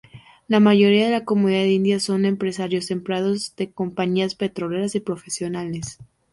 La mayoría de la comunidad india son empresarios, empleados de compañías petroleras y profesionales.